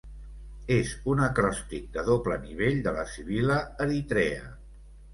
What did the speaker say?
És un acròstic de doble nivell de la sibil·la Eritrea.